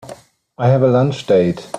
I have a lunch date.